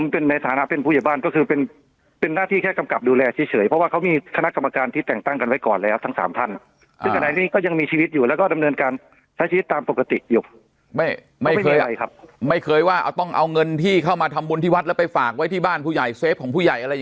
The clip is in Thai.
เป็นในฐานะเป็นผู้ใหญ่บ้านก็คือเป็นเป็นหน้าที่แค่กำกับดูแลเฉยเพราะว่าเขามีคณะกรรมการที่แต่งตั้งกันไว้ก่อนแล้วทั้งสามท่านซึ่งขณะนี้ก็ยังมีชีวิตอยู่แล้วก็ดำเนินการใช้ชีวิตตามปกติอยู่ไม่ไม่เคยครับไม่เคยว่าเอาต้องเอาเงินที่เข้ามาทำบุญที่วัดแล้วไปฝากไว้ที่บ้านผู้ใหญ่เฟฟของผู้ใหญ่อะไร